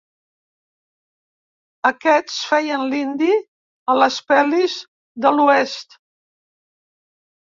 Aquests feien l'indi a les pel·lis de l'Oest.